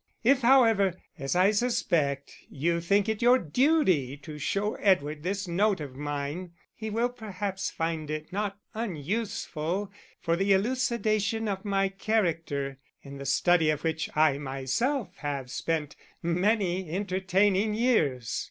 If, however, as I suspect, you think it your duty to show Edward this note of mine, he will perhaps find it not unuseful for the elucidation of my character, in the study of which I myself have spent many entertaining years.